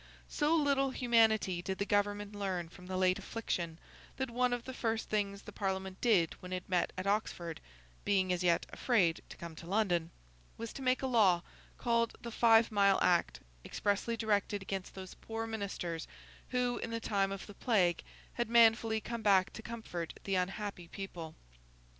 So little humanity did the government learn from the late affliction, that one of the first things the Parliament did when it met at Oxford (being as yet afraid to come to London), was to make a law, called the Five Mile Act, expressly directed against those poor ministers who, in the time of the Plague, had manfully come back to comfort the unhappy people.